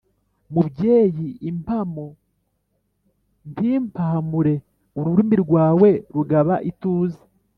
Mubyeyi impamo ntimpahamureUrurimi rwawe rugaba ituze